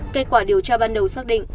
kết quả điều tra ban đầu xác định